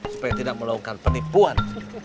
supaya tidak melakukan penipuan